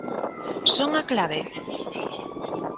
Son a clave?